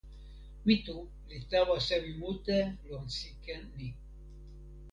mi tu li tawa sewi mute lon sike ni.